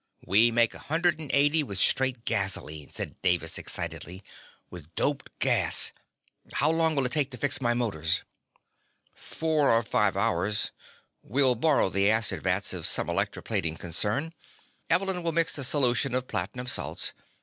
"We make a hundred and eighty with straight gasoline," said Davis excitedly. "With doped gas How long will it take to fix my motors?" "Four or five hours. We'll borrow the acid vats of some electro plating concern. Evelyn will mix the solution of platinum salts.